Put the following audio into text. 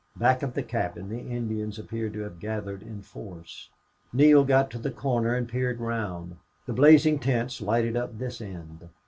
Back of the cabin the Indians appeared to have gathered in force. Neale got to the corner and peered round. The blazing tents lighted up this end.